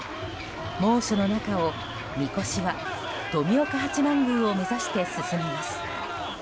猛暑の中をみこしが富岡八幡宮を目指して進みます。